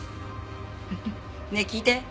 フフねえ聞いて。